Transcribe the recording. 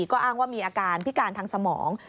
ก็อ้างว่ามีอาการพิการทางสมอง